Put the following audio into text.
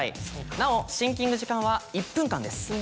なおシンキング時間は１分間です。